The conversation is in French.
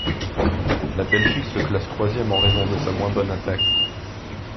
La Belgique se classe troisième en raison de sa moins bonne attaque.